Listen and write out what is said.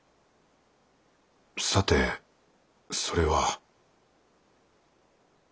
さてそれは。